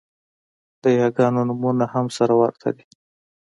د یاګانو نومونه هم سره ورته دي